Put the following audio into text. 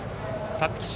皐月賞